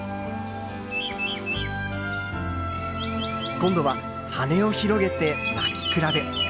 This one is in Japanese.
今度は羽を広げて鳴き比べ。